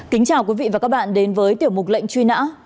kính chào quý vị và các bạn đến với tiểu mục lệnh truy nã